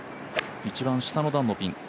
一番下の段のピン。